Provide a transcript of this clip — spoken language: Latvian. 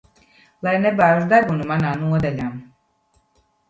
Lai nebāž degunu manā nodaļā.